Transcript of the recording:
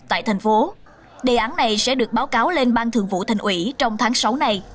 tại thành phố đề án này sẽ được báo cáo lên bang thường vụ thành ủy trong tháng sáu này